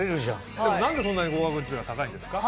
でも何でそんなに合格率が高いんですか？